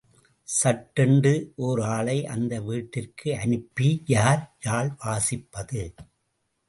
சட்டென்று ஓர் ஆளை அந்த வீட்டிற்கு அனுப்பி, யார் யாழ் வாசிப்பது?